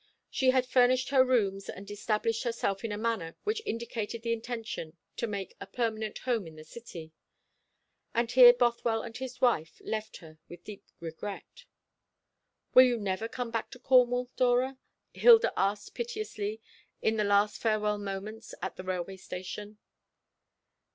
She had furnished her rooms and established herself in a manner which indicated the intention to make a permanent home in the city; and here Bothwell and his wife left her, with deep regret. "Will you never come back to Cornwall, Dora?" Hilda asked piteously, in the last farewell moments at the railway station.